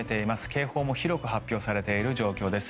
警報も広く発表されている状況です。